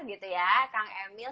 gitu ya kang emil